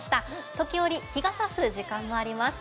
時折、日がさす時間もあります。